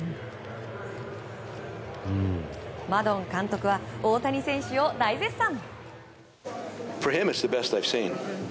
マドン監督は大谷選手を大絶賛。